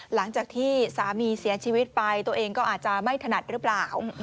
หลังจากที่สามีเสียชีวิตไปตัวเองก็อาจจะไม่ถนัดหรือเปล่า